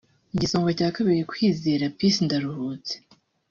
Igisonga cya Kabiri Kwizera Peace Ndaruhutse